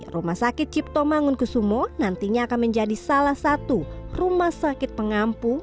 rumah sakit cipto mangunkusumo nantinya akan menjadi salah satu rumah sakit pengampu